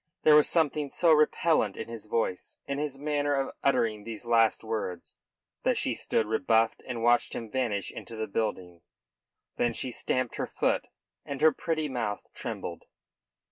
There was something so repellent in his voice, in his manner of uttering those last words, that she stood rebuffed and watched him vanish into the building. Then she stamped her foot and her pretty mouth trembled.